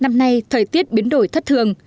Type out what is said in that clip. năm nay thời tiết biến đổi thất thường